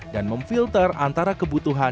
dan memfilter antara kebutuhan